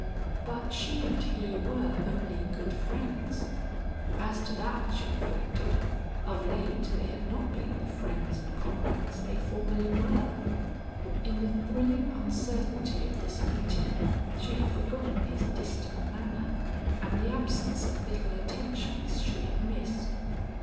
But she and he were only good friends. As to that, she reflected, of late they had not been the friends and comrades they formerly were. In the thrilling uncertainty of this meeting she had forgotten his distant manner and the absence of little attentions she had missed.